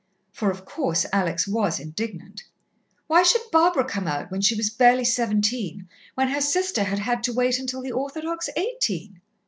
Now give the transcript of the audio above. For, of course, Alex was indignant. Why should Barbara come out when she was barely seventeen, when her sister had had to wait until the orthodox eighteen?